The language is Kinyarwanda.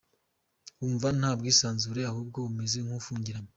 Wumva nta bwisanzure ahubwo umeze nk’ufungiranye.